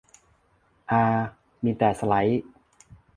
อา มีแต่สไลด์